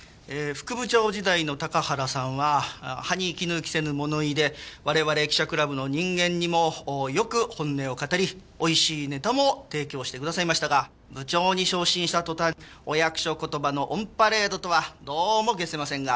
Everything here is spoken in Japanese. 副部長時代の高原さんは歯に衣着せぬ物言いで我々記者クラブの人間にもよく本音を語りおいしいネタも提供してくださいましたが部長に昇進した途端お役所言葉のオンパレードとはどうも解せませんが。